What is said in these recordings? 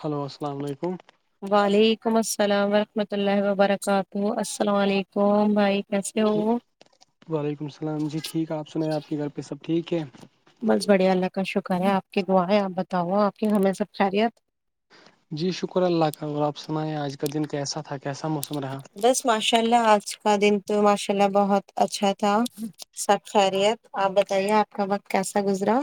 Hello السلام علیکم وعلیکم السلام ورحمۃ اللہ وبرکاتہ السلام علیکم بھائی کیسے ہو وعلیکم السلام جی ٹھیک ہے آپ سناے آپ کے گھر پہ سب ٹھیک ہے بس بڑھیا اللہ کا شکر ہے آپ کی دعا ہے آپ بتاؤ آپ کی گھر میں سب خیریت جی شکر اللہ کا اور آپ سنائیں آج کا دن کیسا تھا کیسا موسم رہا بس ماشاء اللہ آج کا دن تو ماشاء اللہ بہت اچھا تھا سب خیریت آپ بتائیے آپ کا وقت کیسا گزرا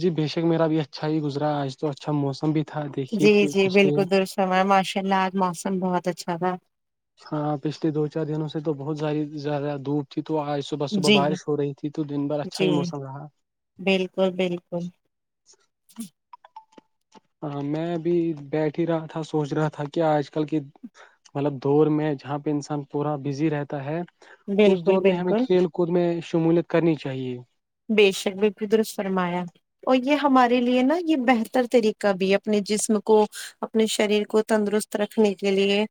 جی بےشک میرا بھی اچھا ہی گزرا آج تو اچھا موسم بھی تھا دیکھیے جی جی پچھلے بالکل درست فرمائے ماشاء اللہ آج موسم بہت اچھا تھا ہاں پچھلے دو چار دنوں سے تو بہت زیا زیادہ دھوپ تھی تو آج صبح صبح جی بارش ہو رہی تھی تو دن بھر اچھا ہی جی موسم رہا بالکل بالکل ہاں میں ابھی بیٹھ ہی رہا تھا سوچ رہا تھا کہ آج کل کے مطلب دور میں جہاں پہ انسان پورا بزی رہتا ہے اس بالکل دور میں ہمیں بالکل کھیل خود میں شمولیت کرنی چاہیے بے شک بھی پھر درست فرمایا اور یہ ہمارے لیے نا یہ بہتر طریقہ بھی اپنے جسم کو اپنے شریر کو تندرست رکھنے کے لیے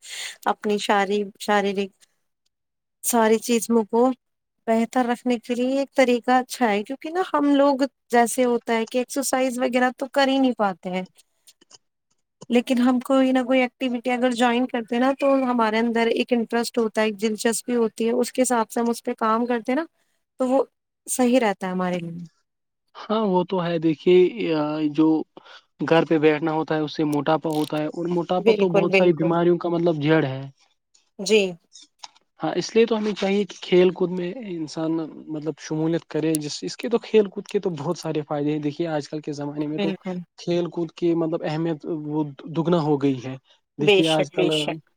اپنی ش شاریرک ساری چیز موں کو بہتر رکھنے کے لیے ایک طریقہ اچھا ہے کیونکہ نا ہم لوگ جیسے ہوتا ہے کہ ایکسرسائز وغیرہ تو کر ہی نہیں پاتے ہیں لیکن ہم کوئی نہ کوئی ایکٹیوٹی اگر جوائن کرتے ہیں نا تو ہمارے اندر ایک انٹرسٹ ہوتا ہے دلچسپی ہوتی ہے اس کے حساب سے ہم اس پہ کام کرتے ہیں نا تو وہ صحیح رہتا ہے ہمارے لیے ہاں وہ تو ہے دیکھیے جو گھر پہ بیٹھنا ہوتا ہے اس سے موٹاپا ہوتا ہے اور موٹاپا تو بالکل بہت ساری بالکل بیماریوں کا مطلب جڑ ہے جی ہاں اس لیے تو ہمیں چاہیے کہ کھیل کود میں انسان مطلب شمولیت کرے جس اس کے تو کھیل کود کے تو بہت سارے فائدے ہیں دیکھیے آج کل کے زمانے میں تو بالکل کھیل کود کی مطلب اہمیت وہ دگنا ہو گئی ہے بے دیکھیے آج شک بے کل شک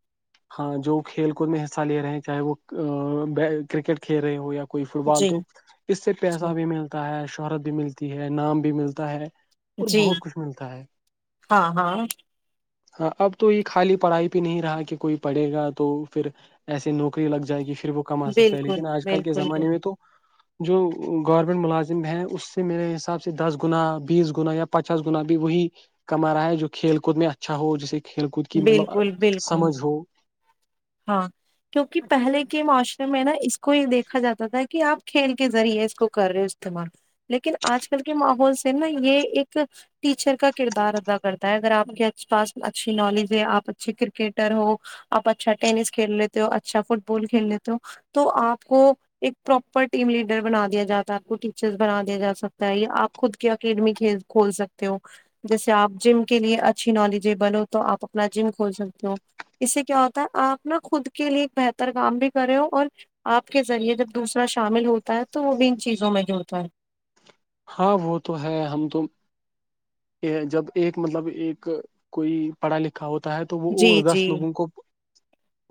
ہاں جو کھیل کود میں حصہ لے رہے ہیں چاہے وہ بے کرکٹ کھیل رہے ہو یا کوئی فٹ بال جی تو اس سے جی پیسہ بھی ملتا ہے شہرت بھی ملتی ہے نام بھی ملتا ہے اور جی بہت کچھ ملتا ہے ہاں ہاں ہاں اب تو یہ خالی پڑھائی بھی نہیں رہا کہ کوئی پڑھے گا تو پھر ایسے نوکری لگ جائے گی پھر وہ کما سکتا ہے بالکل لیکن آج کل کے بالکل زمانے میں تو جو گورنمنٹ ملازم ہیں اس سے میرے حساب سے دس گنا بیس گنا یا پچاس گنا بھی وہی کما رہا ہے جو کھیل کود میں اچھا ہو جسے کھیل کود کی مطلب بالکل بالکل سمجھ ہو ہاں کیونکہ پہلے کے معاشرے میں نا اس کو یہ دیکھا جاتا تھا کہ آپ کھیل کے ذریعے اس کو کر رہے ہو استعمال لیکن آج کل کے ماحول سے نا یہ ایک ٹیچر کا کردار ادا کرتا ہے اگر آپ کے پاس اچھی نالج ہے آپ اچھے کرکٹر ہو آپ اچھا ٹینس کھیل لیتے ہو اچھا فٹ بال کھیل لیتے ہو تو آپ کو ایک پراپر ٹیم لیڈر بنا دیا جاتا ہے آپ کو ٹیچرس بنا دیا جا سکتا ہے آپ خود کے اکیڈمی کھیل کھول سکتے ہو جیسے آپ جم کے لیے اچھی نالیجبل ہو تو آپ اپنا جم کھول سکتے ہو اس سے کیا پتآ ہےآپ نا خود کے لیے ایک بہتر کام بھی کرے ہو اور آپ کے ذریعے جب دوسرا شامل ہوتا ہے تو وہ بھی چیزوں میں جوڑتا ہے ہاں وہ تو ہے ہم تم جب ایک مطلب ایک کوئی پڑھا لکھا ہوتا ہے تو وہ جی اور جی دس لوگوں کو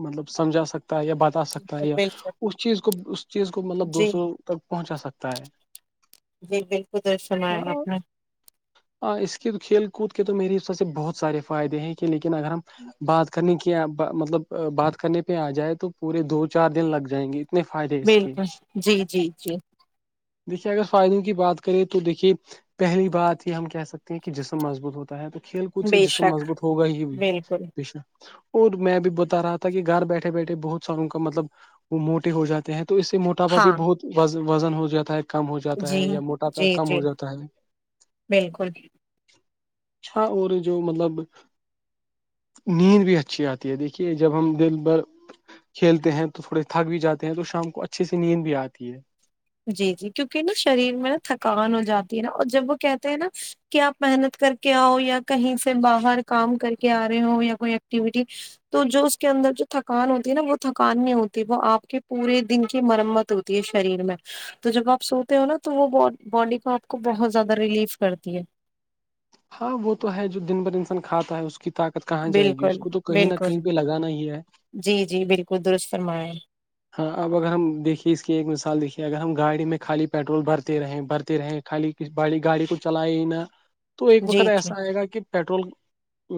مطلب سمجھا سکتا ہے یا بات سکتا ہے یا بالکل اس چیز کو اس چیز کو مطلب جی دوسروں تک پہنچا سکتا ہے جی بالکل درست فرمایا آپنے ہ اس کے کھیل کود کے تو میرے حساب سے بہت سارے فائدے ہیں کہ لیکن اگر ہم بات کرنے کی مطلب بات کرنے پہ آ جائے تو پورے دو چار دن لگ جائیں گے اتنے فائدے اس کے بالکل جی جی جی دیکھیں گا فائدوں کی بات کریں تو دیکھیے پہلی بات یہ ہم کہہ سکتے ہیں کہ جسم مضبوط ہوتا ہے تو کھیل کچھ بے جسم شک مضبوط ہوگا ہی بھی بالکل بشہ اور میں بھی بتا رہا تھا کہ گھر بیٹھے بیٹھے بہت ساروں کا مطلب وہ موٹے ہو جاتے ہیں تو اس سے موٹے ٹاپ ا بھی ہاں بہت وز وزن ہو جاتا ہے کم ہو جات ہے جی ہے یا موٹاپا جی کم جی ہو جاتا ہے بالکل اچھا اور جو مطلب نیند بھی اچھی آتی ہے دیکھیے جب ہم دین بھر کھیلتے ہیں تو تھوڑے تھک بھی جاتے ہیں تو شام کو اچھے سے نیند بھی آتی ہے جی جی کیونکہ نا شریر میں نا تھکان ہو جاتی ہے نا اور جب وہ کہتے ہیں نا کہ آپ محنت کر کے آؤ یا کہیں سے باہر کام کر کے آ رہے ہو یا کوئی ایکٹیوٹی تو جو اس کے اندر جو تھکان ہوتی ہے نا وہ تھکان نہیں ہوتی ہے وہ آپ کے پورے دن کی مرمت ہوتی تی ہے شریر میں تو جب آپ سوتے ہو نا تو وہ باڈی پارٹ کو آپ کو بہت زیادہ ریلیف کرتی ہے ہاں وہ تو ہے جو دن بھر انسان کھاتا ہے اس کو کی طاقت کہاں جائے گی اس بالکل کو تو کہیں نہ کہیں بالکل پہ لگانا ہی ہے جی جی بالکل درست فرمایں ہاں اب اگر ہم دیکھیے اس کی ایک مثال دیکھیں اگر ہم گاڑی میں خالی پیٹرول بھرتے رہے بھرتے رہے خالی اس بڑی گاڑی کو چلائے ہی نا تو ایک جی وقت جی ایسا آئے گا کہ پیٹرول ا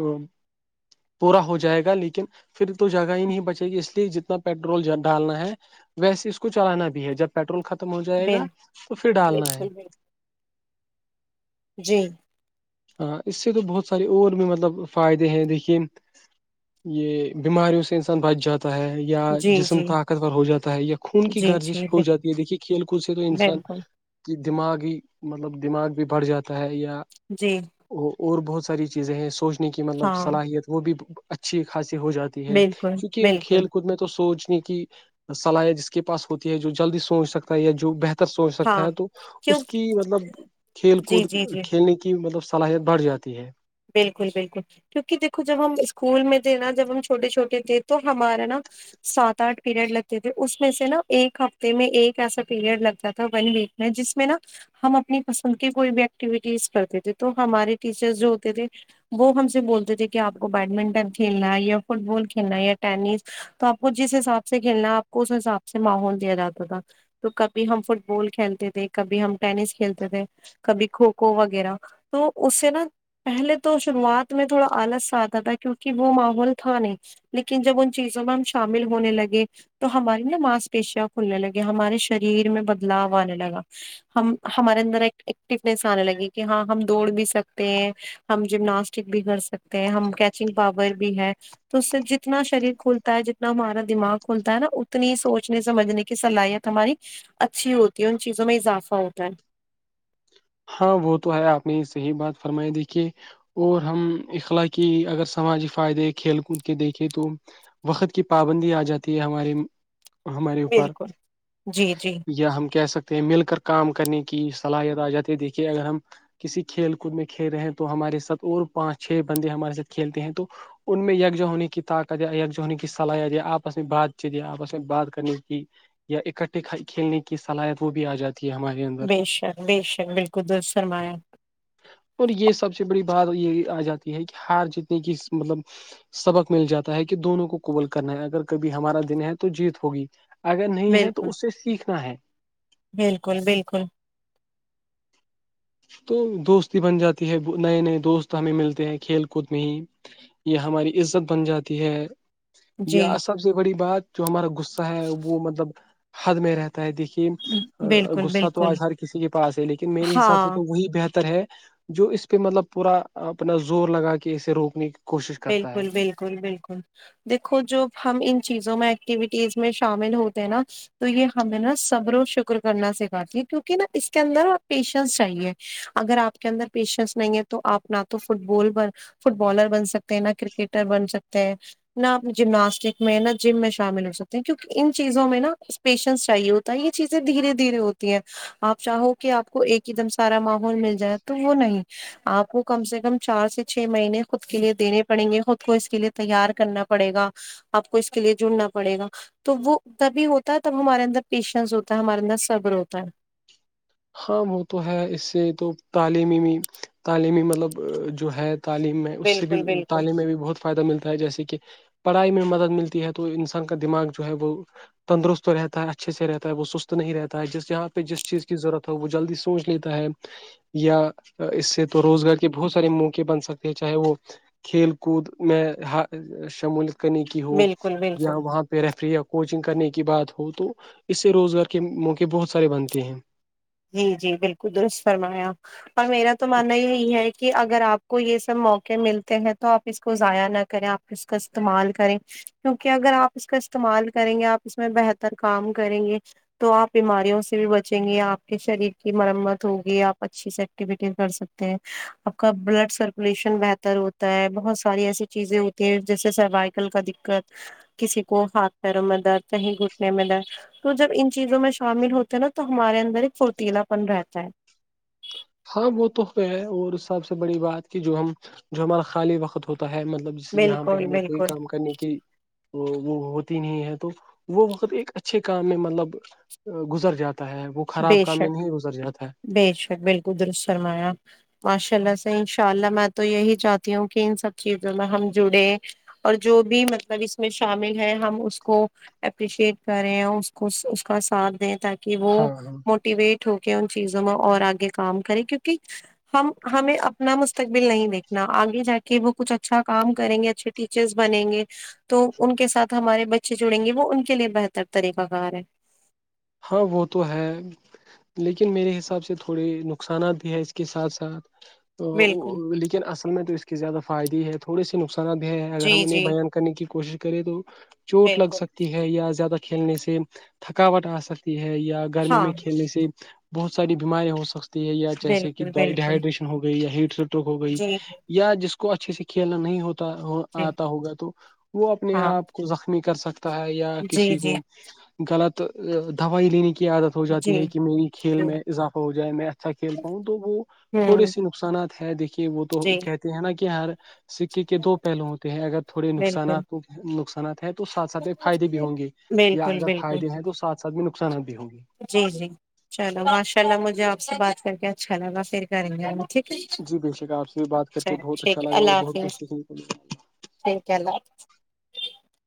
پورا ہو جائے گا لیکن پھر تو جگہ ہی نہیں بچے گی اس لیے جتنا پیٹرول جن ڈالنا ہے ویسے اس کو چلانا بھی ہے جب پیٹرول ختم ہو جائے گا بال تو پھر ڈالنا ہے بالکل بالکل جی ہاں اس سے تو بہت سارے اور بھی مطلب فائدے ہیں دیکھیے یہ بیماریوں سے انسان بچ جاتا ہے یا جی جسم جی طاقتور ہو جاتا ہے یا خون جی گرزش جی ہو بل- جاتی ہے دیکھیے کھیل کود سے تو انسان بالکل کی دماغ ہی مطلب دماغ بھی بڑھ جاتا ہے یا جی اور بہت ساری چیزیں ہیں سوچنے کی مطلب ہاں صلاحیت وہ بھی اچھی خاصی ہو جاتی ہے بالکل، کیونکہ بالکل، کھیل کود میں تو سوچنے کی صلاحیت جس کے پاس ہوتی ہے جو جلدی سوچ سکتا ہے جو بہ تر سوچ سکتا ہاں، ہے تو کیوں اس کی مطلب کھیل جی، کود جی، جی۔ کھیلنے کی کی مطلب صلاحیت بڑھ جاتی ہے بالکل بالکل کیونکہ دیکھو جب ہم اسکول میں تھے نا جب ہم چھوٹے چھوٹے تھے تو ہمارا نا سات آٹھ پیریڈ لگتے تھے اس میں سے نا ایک ہفتے میں ایک ایسا پیریڈ لگتا تھا ون ویک جس میں نا ہم اپنی پسند کی کوئی بھی ایکٹیویٹیز کرتے تھے تو ہمارے ٹیچر جو تھے وہ ہم سے بولتے تھے کہ آپ کو بید منٹن کھیلنا ہے یا فٹ بال کھیلنا ہے یا ٹینس تو آپ کو جس حساب سے کھیلنا ہے آپ کو اس حساب سے ماحول دیا جاتا تھا تو کبھی ہم فٹ بال کھیلتے تھے کبھی ہم ٹینس کھیلتے تھے کبھی کھوکھو وغیرہ تو اس سے نا پہلے تو شروعات میں تھوڑا آلس آتا تھا کیونکہ وہ ماحول تھا نہیں لیکن جب ان چیزوں میں ہم شامل ہونے لگے تو ہماری نا مانس پیشیاں کھلنے لگی ہمارے شریر میں بدلاؤ آنے لگا ہم ہمارے اندر ایک ایکٹیونیس آنے لگی کہ ہاں ہم دوڑ بھی سکتے ہیں ہم جمناسٹک بھی کر سکتے ہیں ہم کیچنگ پاور بھی ہے تو اس سے جتنا شریر کھلتا ہے جتنا ہمارا دماغ کھلتا ہے نا اتنی سوچنے سمجھنے کی صلاحیت ہماری اچھی ہوتی ہے ان چیزوں میں اضافہ ہوتا ہے ہاں وہ تو ہے آپ نے یہ صحیح بات فرمائی دیکھیے اور ہم اخلاقی اگر سماجی فائدے کھیل کود کے دیکھیں تو وقت کی پابندی آ جاتی ہے ہمارے ہمارے اوپر بالکل جی جی یا ہم کہہ سکتے ہیں مل کر کام کرنے کی صلاحیت آ جاتی ہے دیکھیے اگر ہم کسی کھیل کود میں کھیل رہے ہیں تو ہمارے ساتھ اور پانچ چھ بندے ہمارے ساتھ کھیلتے ہیں تو ان میں یکجا ہونے کی طاقت یا یکجا ہونے کی صلاحیت یا آپس میں بات چیت یا آپس میں بات کرنے کی یا اکٹھے کھیلنے کی صلاحیت وہ بھی آ جاتی ہے ہماری بے شک بے شک بالکل درست فرمایا اور یہ سب سے بڑی بات یہ آ جاتی ہے کہ ہار جیتنے کی مطلب سبق مل جاتا ہے کہ دونوں کو قبول کرنا ہے اگر کبھی ہمارا دن ہے تو جیت ہوگی اگر نہیں ہے تو بالکل اس سے سیکھنا ہے بالکل بالکل تو دوستی بن جاتی ہے نئے نئے دوست ہمیں ملتے ہیں کھیل کود میں ہی یہ ہماری عزت بن جاتی ہے جی یا سب سے بڑی بات جو ہمارا غصہ ہے وہ مطلب حد میں رہتا ہے دیکھیے بالکل غصہ تو بالکل آج ہر کسی کے پاس ہے لیکن میرے حساب ہاں سے تو وہی بہتر ہے جو اس پہ مطلب پورا اپنا زور لگا کے اسے روکنے کوشش کرتا ہے بالکل بالکل بالکل دیکھو جب ہم ان چیزوں میں ایکٹیویٹیز میں شامل ہوتے ہیں نا تو یہ ہمیں نا صبر و شکر کرنا سکھاتی ہے کیونکہ نا اس کے اندر آپ پیشنس چاہیے اگر آپ کے اندر پیشنس نہیں ہے تو آپ نہ تو فٹ بال فٹ بالر بن سکتے سکتے نا کرکٹر بن سکتے ہیں نہ اپ جمناسٹک میں نہ جم میں شامل ہو سکتے ہیں کیونکہ ان چیزوں میں نا پیشنس چاہیے ہوتا ہے یہ چیزیں دھیرے دھیرے ہوتی ہیں آپ چاہو کہ آپ کو ایک ہی دم سارا ماحول مل جائے تو وہ نہیں آپ کو کم سے کم چار سے چھ مہینے خود کے لیے دینے پڑیں گے خود کو اس کے لیے تیار کرنا پڑے گا آپ کو اس کے لیے جڑنا پڑے گا تو وہ تبھی ہوتا ہے تب ہمارے اندر پیشنس ہوتا ہے ہمارے اندر صبر ہوتا ہے ہاں وہ تو ہے اس سے تو تعلیمی بھی تعلیمی مطلب جو ہے تعلیم میں اس سے بھی بالکل بالکل تعلیم میں بھی بہت فائدہ ملتا ہے جیسے کہ پڑھائی میں مدد ملتی ہے تو انسان کا دماغ جو ہے وہ تندرست رہتا ہے اچھے سے رہتا ہے وہ سست نہیں رہتا ہے جس یہاں پہ جس چیز کی ضرورت ہو وہ جلدی سوچ لیتا ہے یا اس سے تو روزگار کے بہت سارے موقع بن سکتے ہیں چاہے وہ کھیل کود میں ہر شمولیت کرنے کی ہوں بالکل بالکل یہاں وہاں ذرا فری یا کوچنگ کرنے کی بات ہو تو اس سے روزگار کے موقع بہت سارے بنتے ہیں جی جی بالکل درست فرمایا اور میرا تو ماننا یہی ہے کہ اگر آپ کو یہ سب موقع ملتے ہیں تو آپ اس کو ضائع نہ کریں آپ اس کا استعمال کریں کیونکہ اگر آپ اس کا استعمال کریں گے آپ اس میں بہتر کام کریں گے تو آپ بیماریوں سے بھی بچیں گے آپ کے شریر کی مرمت ہوگی آپ اچھی سے ایکٹیویٹیز کر سکتے ہیں آپ کا بلڈ سرکولیشن بہتر تر ہوتا ہے بہت ساری ایسی چیزیں ہوتی ہیں جیسے سروائیکل کا دقت کسی کو ہاتھ پیروں میں درد کہیں گھٹنے میں درد تو جب ان چیزوں میں شامل ہوتے ہیں نا تو ہمارے اندر ایک فرتیلا پن رہتا ہے ہاں وہ تو فیر ہے اور سب سے بڑی بات کہ جو ہم جو ہمارا خالی وقت ہوتا ہے مطلب جہاں پہ بالکل ہمیں کوئی بالکل کام کرنے کی وہ وہ ہوتی نہیں ہے تو وہ وقت ایک اچھے کام میں مطلب گزر جاتا ہے وہ خراب بے کام میں شک نہیں گزر جاتا ہے بے شک بالکل درست فرمایا ماشاء اللہ سے انشاء اللہ میں تو یہی چاہتی ہوں کہ ان سب چیزوں میں ہم جڑے اور جو بھی مطلب اس میں شامل ہے ہم اس کو اپریشیٹ کریں اور اس کو اس کا ساتھ دیں تاکہ وہ ہاں ہاں موٹیویٹ ہو کے ان چیزوں میں اور آگے کام کرے کیونکہ ہم ہمیں اپنا مستقبل نہیں دیکھنا آگے جا کے وہ کچھ اچھا کام کریں گے اچھے ٹیچرس بنیں گے تو ان کے ساتھ ہمارے بچے جڑیں گے تو وہ ان کے لیے بہتر طریقہ کار ہیں ہاں وہ تو ہے لیکن میرے حساب سے تھوڑے نقصانات بھی ہے اس کے ساتھ ساتھ بالکل لیکن اصل میں تو اس کے زیادہ فائد ہی ہے تھوڑے سی نقصانات بھی ہیں اگر ہم جی انہیں جی بیان کرنے کی کوشش کرے تو چوٹ لگ بالکل سکتی ہے یا زیادہ کھیلنے سے تھکاوٹ آ سکتی تی ہے یا گرمی میں ہاں کھیلنے سے بہت ساری بیماریاں ہو سکتی ہے یا جیسے کہ بالکل ڈ بالکل ہائیڈریشن ہو گئی یا ہیٹ اسٹروک ہو گئی جی یا جس کو اچھے سے کھیلنا نہیں ہوتا اور جی آتا ہوگا تو وہ اپنے ہاں آپ کو زخمی کر سکتے ہے یا جی کسی جی کو غلط دوائی لینے کی عادت ہو جاتی جی ہے کہ میری کھیل جی میں اضافہ ہو جائے میں اچھا کھیل پاؤں تو وہ تھوڑے ہوں سے نقصانات ہے دیکھیے وہ تو جی کہتے ہیں نا کہ یار سکے کے دو پہلو ہوتے ہیں اگر تھوڑے بالکل نقصانات نقصانات ہیں تو ساتھ ساتھ میں فائدے بھی ہوں گے یا بالکل اگر بالکل فائدے ہیں تو ساتھ ساتھ میں نقصانات بھی ہوں گے جی جی چلو ماشاء اللہ مجھے آپ سے بات کر کے اچھا لگا پھر کریں گے ٹھیک ہے جی بے شک آپ سے بھی بات کر کے چل بہت اچھا ٹھیک ہے لگا اور اللہ بہت کچھ حافظ سیکھنے ٹھیک ہے اللہ حافظ